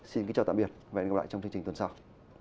xin kính chào tạm biệt và hẹn gặp lại trong chương trình tuần sau